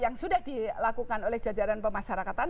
yang sudah dilakukan oleh jajaran pemasarakatan